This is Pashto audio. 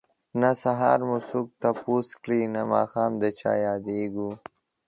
نه سهار مو څوک تپوس کړي نه ماښام د چا ياديږو